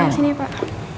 sudah sini pak